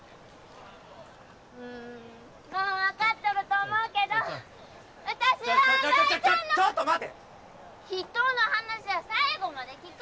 うんもう分かっとると思うけど私はちょちょちょちょっと待て人の話は最後まで聞く！